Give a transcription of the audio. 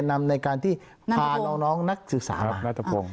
ชื่อเกดในการที่พาน้องนักศึกษามา